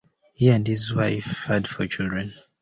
He and his wife had four children.